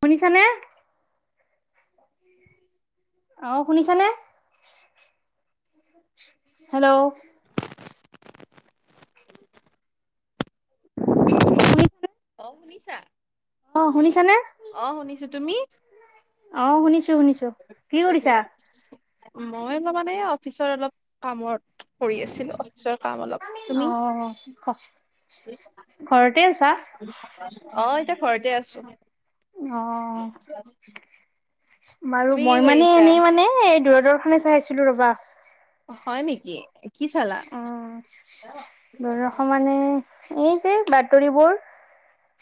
শুনিছানে অ শুনিছানে? হেল্ল' শুনিছা অ শুনিছা? অ শুনিছানে অ শুনিছো তুমি? অ শুনিছোঁ শুনিছোঁ কি কৰিছা? মই অলপ মানে অফিচৰ অলপ কামত কৰি আছিলো অফিচৰ কাম অলপ অ তুমি ঘৰতে আছা? অ এতিয়া ঘৰতে আছো অহ বাৰু তুমি কি মই মানে কৰিছা? এনেই মানে দূৰদৰ্শনে চাইছিলো ৰবা হয় নেকি? কি চালা? উম দূৰদৰ্শন মানে এ যে বাতৰিবোৰ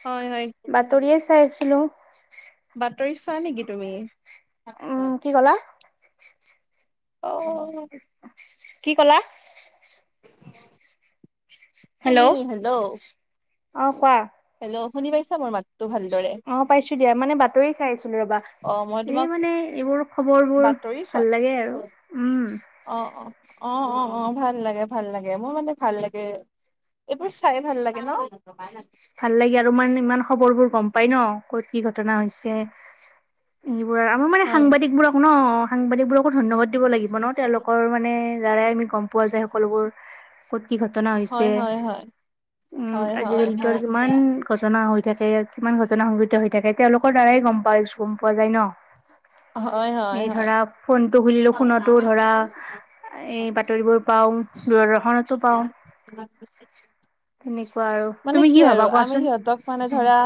হয় হয়। বাতৰিয়ে চাইছিলো [inaudible] বাতৰি চোৱা নেকি তুমি উম কি ক'লা? অ কি কলা। [inaudible] হেল্ল' তুমি হেল্ল' অ কোৱা হেল্ল' শুনি পাইছা মোৰ মাতটো ভালদৰে‌ অ পাইছো দিয়া মানে বাতৰি চাই আছিলো ৰবা। অ মই এই তোমাক মানে এইবোৰ খবৰ বোৰ বাতৰি চোৱা ভাল লাগে আৰু উম, অ অ অ অ অ ভাল লাগে ভাল লাগে মোৰ মানে ভাল লাগে। এইবোৰ চাই ভাল লাগে ন। ভাল লাগে আৰু মান ইমান খবৰ বোৰ গম পাই ন ক'ত কি ঘটনা হৈছে। যিবোৰ মই মানে হয় সাংবাদিকবোৰক ন সাংবাদিকবোৰকো ধন্যবাদ দিব লাগিব ন তেওঁলোকৰ মানে দাৰাই আমি গম, পোৱা যায় সকলোবোৰ কত কি ঘটনা হৈছে হয় হয় হয়। উম হয় হয় আজিকালি। হয় আচ্ছা। ঘটনা হৈ থাকে কিমান ঘটনা সংঘটিত হৈ থাকে তেওঁলোকৰ দ্বাৰাই গম পাই গম পোৱা যায় ন। হয় হয় এই হয় ধৰা ফোনটো খুলিলো ফোনতো ধৰা। এই বাতৰিবোৰ পাও দূৰদৰ্শনতো পাও। তেনেকুৱা আৰু মানে কি আৰু ভাবা আমি কোৱাচোন সিহঁতক মানে উম ধৰা।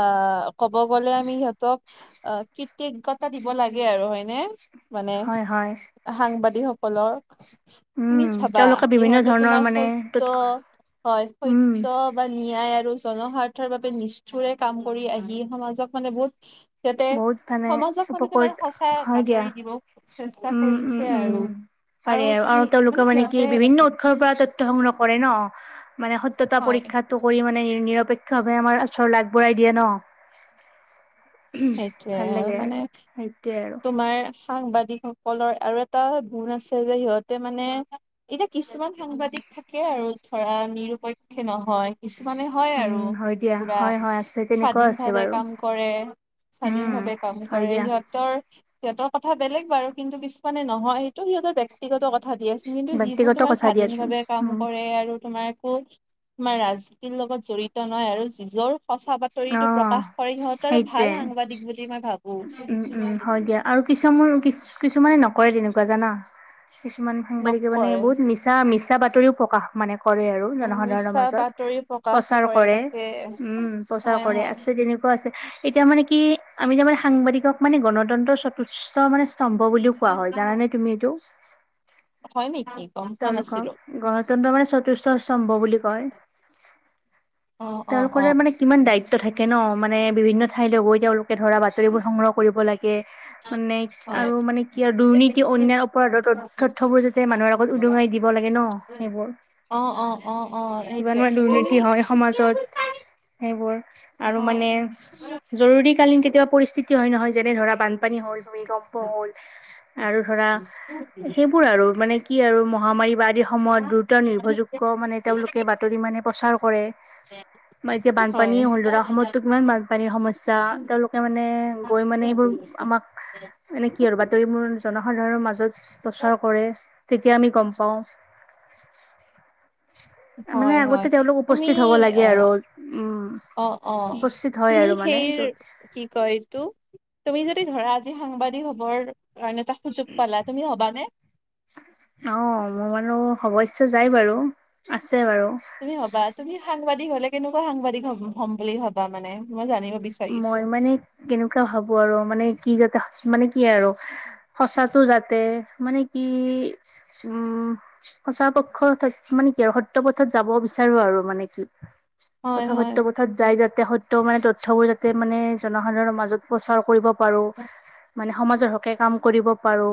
আহ ক'ব গলে আমি সিহঁতক অ কৃতজ্ঞতা দিব লাগে আৰু হয়নে। মানে হয় হয় সাংবাদিকসকলৰ, উম, তুমি চাবা তেওঁলোকে বিভিন্ন সহঁতে ধৰণৰ তোমাৰ মানে তত সত্য হয় স উম, ত্য বা নিয়ায় আৰু জনস্বাৰ্থৰ বাবে নিষ্ঠুৰে কাম কৰি আহি সমাজক মানে বহুত, যাতে বহুত মানে সমাজক মানে তোমাৰ উপকৃত সঁচা হয় দিয়া। বাতৰি দিব চেষ্টা উম, উম, কৰিছে উম। আৰু পাৰে আৰু আৰু তেওঁলোকে মানে কি বিভিন্ন পৰা তথ্য সংগ্ৰহ কৰে ন মানে সত্যতাৰ হয় পৰীক্ষাত, তো কৰি মানে নিৰপেক্ষ ভাৱে আমাৰ ওচৰ আগবঢ়াই দিয়ে ন। সেইটোৱে ভাল আৰু লাগে মানে সেইটোৱে আৰু তোমাৰ সাংবাদিক সকলৰ আৰু এটা গুণ আছে যে সিহঁতে মানে, এতিয়া কিছুমান সাংবাদিক থাকে আৰু ধৰা নিৰপেক্ষ নহয়। কিছুমানে হয় আৰু উম, হয় দিয়া পুৰা হয়, হয় আছে তেনেকুৱা স্বাধীন আছে ভাৱে বাৰু কাম কৰে। স্বাধীন উম। ভাৱে কাম হয় কৰে দিয়া সিহঁতৰ। সিহঁতৰ কথা বেলেগ বাৰু কিন্তু কিছুমানে নহয় সেইটো সিহঁতৰ ব্যক্তি ব্যক্তিগত কথা দিয়া আছিল কিন্তু যিবোৰ ব্যক্তিগত তোমাৰ কথা স্বাধীন দিয়াচোন ভাৱে কাম উম, কৰে আৰু তোমাৰ একো তোমাৰ ৰাজনীতিৰ লগত জড়িত নহয় আৰু যিজৰ সঁচা বাতৰিতটো অ'। প্ৰকাশ কৰে সিহঁতৰ আৰু ভাল সেইটোৱে সাংবাদিক বুলি মই ভাবোঁ। উম উম হয় দিয়া আৰু কিছুমান কি কিছুমানে নকৰে তেনেকুৱা জানা কিছুমান সাংবাদিকে মানে নকৰে বহুত মিছা মিছা বাতৰিও প্ৰকাশ মানে কৰে আৰু অ, জনসাধাৰণৰ মিছা মাজত বাতৰি প্ৰকাশ প্ৰচাৰ কৰে তাকে উম প্ৰচাৰ হয় কৰে হয় আছে তেনেকুৱা আছে এতিয়া মানে কি আমি তাৰ মানে সাংবাদিকক মানে গণতন্ত্ৰৰ সতুষ মানে স্তম্ভ বুলিও কোৱা হয় জানে তুমি এইটো হয় নেকি। গম পোৱা নাছিলো তেওঁলোকক গণতন্ত্ৰ মানে চতুৰ্থ স্তম্ভ বুলি কয়। অ অ, তেওঁলোকৰে মানে কিমান দায়িত্ব থাকে ন মানে বিভিন্ন ঠাইলৈ গৈ তেওঁলোকে ধৰা বাতৰিবোৰ সংগ্ৰহ কৰিব লাগে। মানে হয় আৰু মানে কি আৰু দুৰ্নীতি অন্যায় অপৰাধৰ তথ্যবোৰ যাতে মানুহৰ, আগত উদঙাই দিব লাগে ন সেইবোৰ অ অ অ অ কিমান সেইটো মানে তুমি দুৰ্নীতি হয় সমাজত সেইবোৰ আৰু মানে হয় জৰুৰীকালীন কেতিয়াবা পৰিস্থিতি হয় নহয় যেনে ধৰা বান পানী হল তুমি গম্প হ'ল আৰু ধৰা সেইবোৰ আৰু মানে। কি আৰু মহামাৰী বা আদিৰ সময়ত দ্ৰুত নিৰ্ভৰযোগ্য মানে তেওঁলোকে বাতৰি মানে প্ৰচাৰ কৰে [unintelligible] বা এতিয়া হয় বানপানীয়ে হ'ল ধৰা অসমতো কিমান বানপানীৰ সমস্যা তেওঁলোকে মানে গৈ মানে এইবোৰ আমাৰ এনে কি আৰু বাতৰি মোৰ জনসাধাৰণৰ মাজত প্ৰচাৰ কৰে। তেতিয়া আমি গম পাওঁ, [inaudible] মানে হয় আগতে তেওঁলোক তুমি উপস্থিত হ'ব লাগে অ আৰু উম অ অ উপস্থিত হয় তুমি আৰু মানে সেই য'ত কি কয় তো তুমি যদি ধৰা আজি সাংবাদিক হবৰ কাৰণে এটা সুযোগ পালা তুমি হবানে? অ মোৰ বাৰু হ'ব ইচ্ছা যাই বাৰু আছে বাৰু তুমি ভবা তুমি সাংবাদিক হলে কেনেকুৱা সাংবাদিক হ হ'ম বুলি ভবা মানে মই জানিব বিচাৰো মই মানে কেনেকুৱা ভাবো আৰু মানে কি যাতে মানে কি আৰু সঁচাটো যাতে মানে কি উম সঁচা পক্ষ মানে কি সত্য পথত যাব বিচাৰো আৰু মানে কি হয় তথ হয় সত্য পথত যাই যাতে সত্য মানে তথ্যবোৰ যাতে মানে জনসাধাৰণৰ মাজত প্ৰচাৰ কৰিব পাৰো মানে সমাজৰ হকে কাম কৰিব পাৰো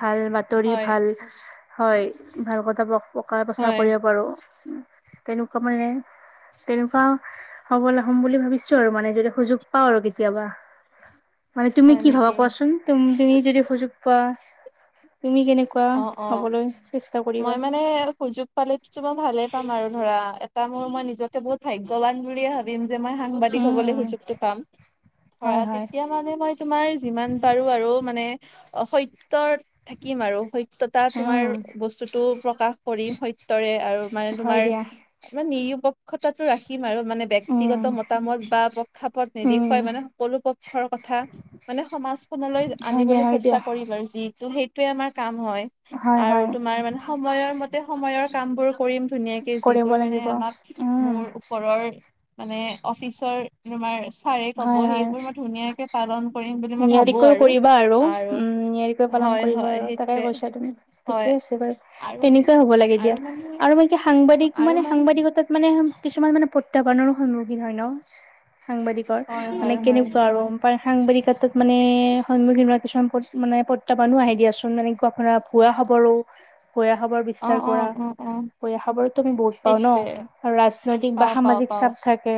ভাল তৰি হয় ভাল হয় ভাল কথা প্ৰচাৰ হয় কৰিব পাৰো তেনেকুৱা মানে তেনেকুৱা সবল হম বুলি ভাবিছো। আৰু মানে যদি সুযোগ পাওঁ আৰু কেতিয়াবা মানে তুমি হয় কি ভাবা নেকি কোৱাচোন? তুম তুমি যদি সুযোগ পোৱা তুমি কেনেকুৱা অ অ হ'বলৈ চেষ্টা কৰিবা মই মানে সুযোগ পালে মই ভালে পাম আৰু ধৰা এটা মোৰ মই নিজকে বহুত ভাগ্যবান বুলিয়ে ভাবো ভাবিম যে মই সাংবাদিক হ'বলৈ উম সুযোগটো পাম ধৰা হয় হয় তেতিয়া মানে মই, তোমাৰ যিমান পাৰো আৰু মানে অ স সত্যত থাকিম আৰু সত্যতা তোমাৰ উম বস্তুটো প্ৰকাশ কৰিম সত্যৰে আৰু মানে হয় তোমাৰ দিয়া মানে নিৰপেক্ষতাটো ৰাখিম আৰু মানে উম ব্যক্তিগত মতামত বা প্ৰক্ষাপত উম নেদেখুৱাই মানে সকলো পক্ষৰ কথা মানে সমাজ খনলৈ হয় দিয়া আনিবলৈ হয় দিয়া চেষ্টা কৰিম আৰু যি ত' সেইটোয়ে আমাৰ কাম হয়। হয় হয়। আৰু তোমাৰ মানে সময়ৰ মতে সময়ৰ কাম বোৰ কৰিম ধুনীয়াকে কৰিব যিবোৰ মানে লাগিব আমাক উম মোৰ ওপৰৰ মানে অফিচৰ তোমাৰ ছাৰে কব হয় হয় সেইবোৰ মই ধুনীয়াকে পালন কৰিম বুলি মই ভাবো নিয়াৰিকৈ আৰু কৰিবা আৰু উম নিয়াৰিকৈ পালন হয় কৰিবা হয় আৰু তাকে সেইটোৱে কৈছা তুমি হয় ঠিকে আছে বাৰু আৰু তেনেকুৱা হ'ব লাগে আৰু দিয়া মানে আৰু মোক কি সাংবাদিক মানে সাংবাদিকতাত মানে কিছুমান মানে প্ৰত্যাহ্বানৰো সন্মুখীন হয় ন সাংবাদিকৰ হয় মানে হয় হয় কেনেকুৱা আৰু হয় সাংবাদিক ত মানে সন্মুখীন হোৱা কিছুমান মানে প্ৰত্যাহ্বানো আহে দিয়াচোন মানে কৰবাৰ পৰা ভুৱা খবৰো বেয়া খবৰ অ বিস্তাৰ অ কৰা। অ অ বেয়া খবৰতো আমি বহুত পাওঁ ন সেইটোৱে আৰু ৰাজনৈতিক বা পাও পাও সামাজিক পাও চাপ থাকে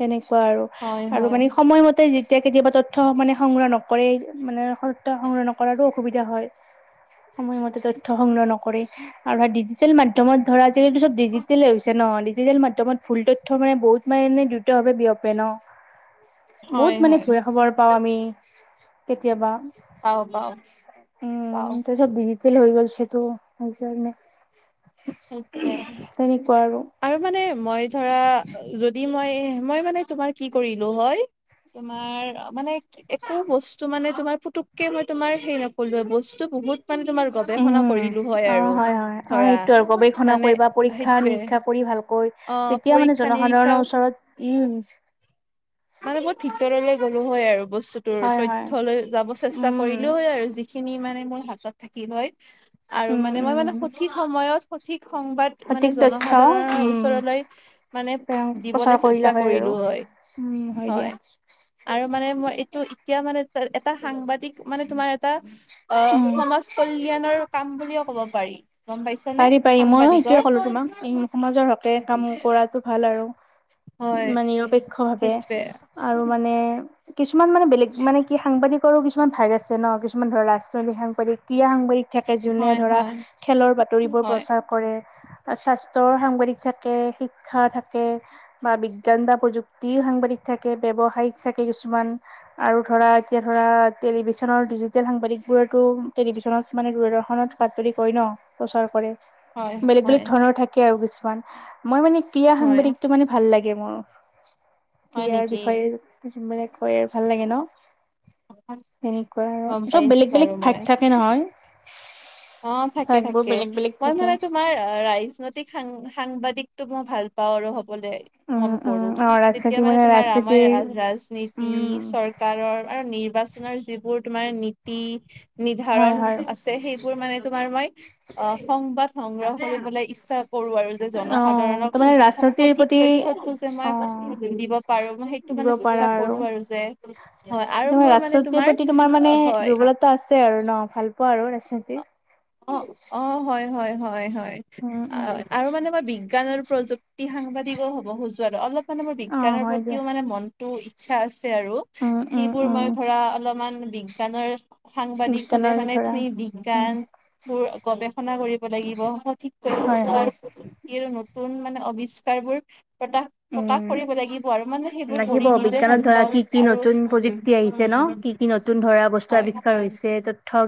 তেনেকুৱা আৰু হয় আৰু হয় মানে সময়মতে যেতিয়া কেতিয়াবা তথ্য মানে সংগ্ৰহ নকৰেই মানে সত্য সংগ্ৰহ নকৰাতো অসুবিধা হয় সময় মতে তথ্য সংগ্ৰহ নকৰে আৰু ছচিয়েল মাধ্যমত ধৰা আজিকালিটো চব ডিজিটেল হৈছে ন ডিজিটেল মাধ্যমত ভুল তথ্য মানে বহুত মানে দ্ৰুত ভাৱে বিয়পে ন বহুত হয় মানে হয় ভুৱা খবৰ পাওঁ আমি কেতিয়াবা পাও পাও পাও ওমম চব ডিজিটেল হৈ গৈছেটো সেইকাৰণে সেইটোৱে তেনেকুৱা আৰু আৰু মানে মই ধৰা যদি মই মই মানে তোমাৰ কি কৰিলো হয় তোমাৰ মানে একো বস্তু মানে তোমাৰ পুতুককে মই তোমাৰ হেৰি নকলোৱেই বস্তু বহুত। মানে তোমাৰ গৱেষণা উম কৰিলো হয় অ আৰু হয় অ ধৰা সেইটো আৰু গৱেষণা মানে কৰিবা পৰীক্ষা সেইটোৱে। নিৰীক্ষা কৰি ভালকৈ অ তেতিয়া মানে পৰীক্ষা নিৰীক্ষা জনসাধাৰণৰ ওচৰত উম, মানে মই ভিতৰলে গ'লো হয় আৰু বস্তুটোৰ হয় হয় তথ্য লৈ যাব চেষ্টা উম কৰিলোঁ হয় আৰু যি খিনি মানে মোৰ হাতত থাকিল হয় আৰু উম মানে মই মানে উম সঠিক সময়ত সঠিক সংবাদ সঠিক মানে তথ্য জনসাধাৰণৰ উম ওচৰলৈ মানে প্ৰেৰণ প্ৰচাৰ দিবলৈ কৰিলা চেষ্টা হয় আৰু কৰিলো হয় উম, হয় দিয়া। আৰু মানে মই এইটো এতিয়া মানে এটা সাংবাদিক মানে তোমাৰ এটা অ, উম সমাজ কল্যাণৰ কাম বুলিও কব পাৰি গম পাইছানে পাৰি পাৰি ময়ো সেইটোয়ে সাংবাদিকৰ। ক'লো তোমাক উম সমাজৰ হকে কাম কৰাটো ভাল আৰু হয় মানে নিৰপেক্ষ ভাৱে সেইটোৱে আৰু মানে কিছুমান মানে বেলেগ মানে কি সাংবাদিকৰো কিছুমান ভাগ আছে ন' কিছুমান ধৰা ৰাজনৈতিক সাংবাদিক ক্ৰীড়া সাংবাদিক থাকে। যোনে হয় ধৰা হয় খেলৰ বাতৰিবোৰ হয় প্ৰচাৰ কৰে। স্বাস্থ্যৰ সাংবাদিক থাকে, শিক্ষা থাকে, বা বিজ্ঞান বা প্ৰযুক্তি সাংবাদিক থাকে, ব্যৱসায়িক থাকে কিছুমান। আৰু ধৰা এতিয়া ধৰা টেলিভিশ্যনৰ ডিজিটেল সাংবাদিক বোৰটো টেলিভিশ্যনত মানে বাতৰি কৰে ন' প্ৰচাৰ কৰে হয় বেলেগ-বেলেগ হয় ধৰণৰ থাকে। থাকে আৰু কিছুমান মই মানে ক্ৰীড়া হয় সাংবাদিকটো মানে ভাল লাগে মোৰ। হয় ক্ৰীয়াৰ নেকি বিষয়ে মানে কয় ভাল লাগে ন। সেনেকুৱা গম আৰু চব পাইছো বাৰু বেলেগ-বেলেগ মই ভাগ থাকে নহয়। অ, ভাগবোৰ থাকে-থাকে বেলেগ বেলেগ মই থাকে মানে তোমাৰ ৰাজনৈতিক সাংবাদিকটো মই ভাল আৰু হ'বলে উম মন উম কৰোঁ। অ তেতিয়া ৰাজনীতি মানে তোমাৰ ৰাজনীতিৰ ৰাময়ণ, ৰাজনীতি উম চৰকাৰৰ আৰু নিৰ্বাচন। আপোনাৰ যিবোৰ তোমাৰ নীতি নিৰ্ধাৰণ হয় হয় আছে। সেই বোৰ মানে তোমাৰ মই অ' সংবাদ সংগ্ৰহ কৰিবলৈ ইচ্ছা। কৰো আৰু যে অ জনসাধাৰণক তাৰমানে ৰাজনীতিৰ সঠিক প্ৰতি তথ্যতো যে অ মই দিব পাৰো মই। দিব পাৰা চেষ্টা কৰো আৰু যে হয়, আৰু তোমাৰ মোৰ মানে ৰাজনীতিৰ তোমাৰ প্ৰতি মানে হয়। দুৰ্বলতা আছে আৰু ন' ভাল পোৱা আৰু ৰাজনীতি। অ'হ, অ'হ, হয়-হয়-হয়-হয় উম উম আৰু মানে বিজ্ঞান আৰু প্ৰযুক্তি সাংবাদিকো হ'ব খোজো আৰু অলপ মানে মোৰ অ বিজ্ঞানৰ হয় দিয়া প্ৰতিও মানে মনটো ইচ্ছা আছে আৰু। উম উম সেইবোৰ উম মই ধৰা অলপমান বিজ্ঞানৰ সাংবাদিক হলে বিজ্ঞানৰে মানে ধৰা তুমি উম বিজ্ঞানবোৰ গৱেষণা কৰিব লাগিব সঠিক হয় হয় তথ্য নতুন মানে আৱিষ্কাৰবোৰ প্ৰকাশ-প্ৰকাশ উম কৰিব লাগিব আৰু মানে সেইবোৰ লাগিব কৰি নিজেই বিজ্ঞানত ভাল ধৰা পাওঁ কি কি নতুন প্ৰযুক্তি আহিছে ন আৰু। কি কি নতুন ধৰা বস্তু হয় আৱিষ্কাৰ হয় হৈছে।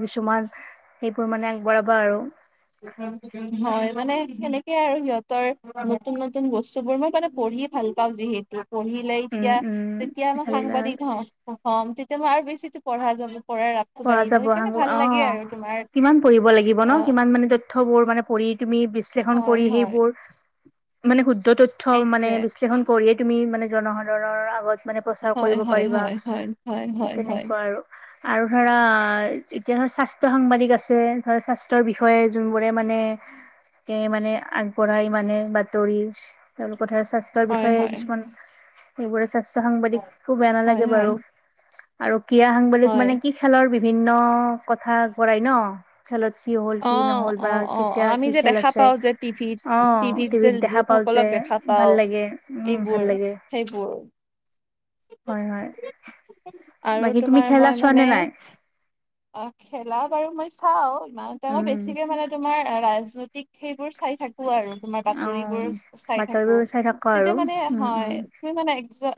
কিছুমান সেইবোৰ মানে আগবঢ়াবা আৰু। হয়, মানে সেনেকে আৰু। নতুন-নতুন বস্তু বোৰ মই মানে পঢ়ি ভাল পাওঁ যিহেতু। পঢ়িলে উম এতিয়া উম যেতিয়া মই ভাল সাংবাদিক হম। হম তেতিয়া মই আৰু বেছিতো পঢ়া যাব পৰা পঢ়া যাব সাঙুৰ অ' কিমান পঢ়িব লাগিব অ ন' কিমান মানে তথ্য, থ্য বোৰ মানে পঢ় তুমি বিশ্লেষণ হয় কৰি হয় সেইবোৰ মানে শুদ্ধ ত থ্য মানে সেইটোৱে বিশ্লেষণ কৰিয়েই তুমি মানে জনসাধাৰণৰ আগত। মানে প্ৰচাৰ হয় কৰিব হয় পাৰিবা হয় হয় হয় হয় হয় তেনেকুৱা আৰু আৰু। ধৰা এতিয়া ধৰ স্বাস্থ্য সাংবাদিক আছে। ধৰা স্বাস্থ্যৰ বিষয়ে যোনবোৰে মানে কে মানে আগবঢ়াই মানে বাতৰি। তেওঁলোকৰ ধৰ স্বাস্থ্যৰ হয় বিষয়ে হয় কিছুমান সেইবোৰে স্বাস্থ্যৰ সাংবাদিক খু বেয়া হয় নালাগে হয় বাৰু আৰু ক্ৰীড়া সাংবাদিক হয় মানে। কি খেলৰ বিভিন্ন কথা কৰাই ন। খেল কি হ'ল অ কি নহ'ল অ বা অ অ আমি কি যে খেল দেখা আছে। পাওঁ যে টিভিত অ' যে টিভিত দেখা। পাল লোকসকলক যে দেখা পাওঁ ভাল লাগে, উম এইবোৰ ভাল লাগে। [unintelligible] হয়, হয়। আৰু বাকী তুমি তোমাৰ খেলা মই চোৱা মানে নে নাই অ' খেলা বাৰু মই চাও। ইমান তেওঁ মই উম বেছিকে মানে, তোমাৰ ৰাজনৈতিক সেইবোৰ চাই থাকো আৰু তোমাৰ অ বাতৰিবোৰ চাই থাকো। বাতৰিবোৰ চাই থাকা তেতিয়া আৰু মানে উম হয়, উম তুমি মানে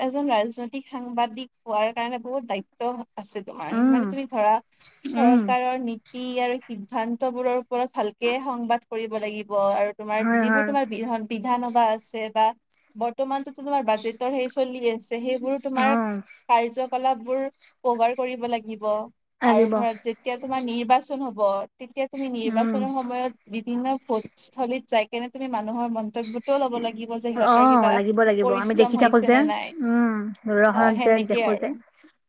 এজন ৰাজনৈতিক, সাংবাদিক হোৱাৰ কাৰণে বহুত দায়ি আছে তোমাৰ, মানে উম তুমি ধৰা উম চৰকাৰৰ আৰু সিদ্ধান্ত বোৰৰ ওপৰত ভালকে সংবাদ কৰিব লাগিব আৰু তোমাৰ হয় যিবোৰ হয় তোমাৰ বিহৰ বিধানসভা আছে বা বৰ্তমানতটো তোমাৰ বাজেটৰ সে চলি আছে, সেই মোৰ তোমাৰ, অ কাৰ্যকলাপ বোৰ কভাৰ কৰিব লাগিব, আৰু লাগিব ধৰা যেতিয়া তোমাৰ নিৰ্বাচন হব, তেতিয়া তুমি উম নিৰ্বাচনৰ সময়ত বিভিন্ন ফোটস্থলীত যাই কেনে তুমি মানুহৰ মন কৰ্তব্যতও ল'ব লাগিব যে, অ সিহঁতৰ কিবা লাগিব লাগিব পৰিশ্ৰম হৈছে নে নাই? অ দৰ্শনত যে সেনেকে দেখো আৰু যে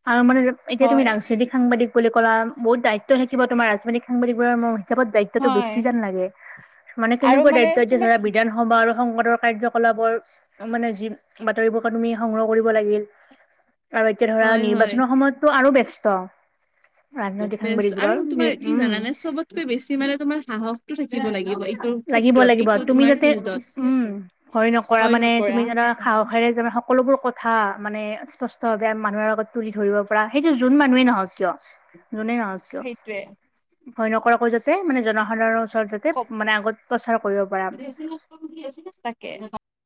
আৰু মানে এতিয়া তুমি হয় ডাংসৃতিক সাংবাদিক বুলি ক'লা, বহুত দায়িত্ব থাকিব তোমাৰ। ৰাজজনিক সাংবাদিকবোৰৰ মই হিচাপত দায়িত্বতটো হয় বেছি যেন লাগে? মানে আৰু কেনেকুৱা মানে দায়িত্ব যে তোমাৰ ধৰা হ'ব আৰু সংবাদৰ কাৰ্যকলাপৰ মানে যি বাতৰিবোৰ তুমি সংগ্ৰহ কৰিব লাগিল। আৰু এতিয়া ধৰা হয় হয় নিৰ্বাচনৰ সময়তটো আৰু ব্যস্ত। ৰাজনৈতিক সাংবাদিক বোৰৰ, উম। কৈ বেছি মানে তোমাৰ সাহসতটো থাকিব লাগিব। এইটোৰ লাগিব ক্ষেত্ৰত লাগিব, এইটো তুমি তোমাৰ যাতে ফিল্ডত উম ভয় নকৰা, হয় মানে নকৰা তুমি জানা খাহখেৰে যে সকলোবোৰ কথা মানে স্পষ্ট, যে মানুহৰ আগত তুলি ধৰিব পৰা, সেইটো যোন মানুহে নহও চিয়। যোনে নহওঁক চিয়। সেইটোৱে ভয় নকৰাকৈ যাতে মানে জনসাধাৰণৰ ওচৰত যাতে, কপ মানে আগত প্ৰচাৰ কৰিব পাৰা। [unintelligible] তাকে